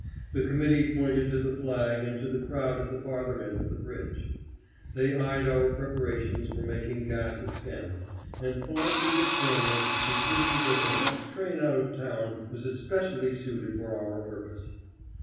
The committee pointed to the flag and to the crowd at the farther end of the bridge. They eyed our preparations for making gas askance, and politely but firmly insisted that the next train out of town was especially suited for our purpose.